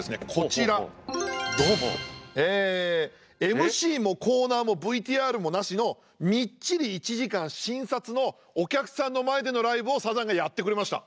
ＭＣもコーナーもＶＴＲもなしのみっちり１時間新撮のお客さんの前でのライブをサザンがやってくれました。